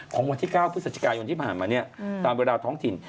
วันที่๙พฤศจิกายนที่ผ่านมาเนี่ยตามเวลาท้องถิ่น